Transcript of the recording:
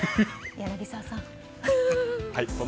柳澤さん。